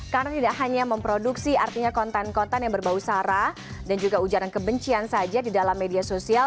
karena tidak hanya memproduksi konten konten yang berbau sara dan juga ujaran kebencian saja di dalam media sosial